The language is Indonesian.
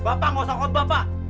bapak tidak usah menghukum bapak